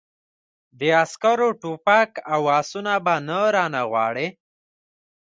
د عسکرو ټوپک او آسونه به نه رانه غواړې!